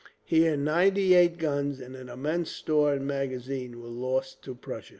Here ninety eight guns and an immense store and magazine were lost to Prussia.